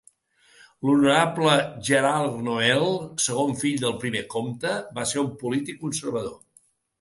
L'honorable Gerard Noel, segon fill del primer comte, va ser un polític conservador.